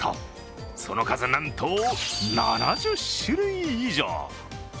その数、なんと７０種類以上。